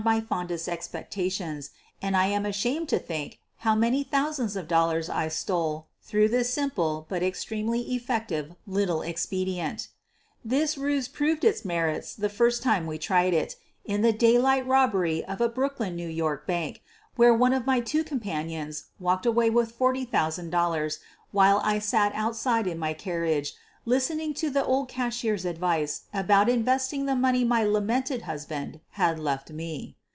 my fondest expectations, and I am ashamed to think how many thousands of dollars I stole through this simple but extremely effective little expedient This ruse proved its merits the first time we tried it — in the daylight robbery of a Brooklyn, New York, bank, where one of my two companions walked away with $40,000 while I sat outside in my carriage listening to the old cashier's advice about investing the money my lamented husband had left me.